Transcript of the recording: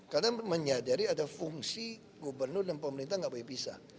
karena menyadari ada fungsi gubernur dan pemerintah nggak boleh bisa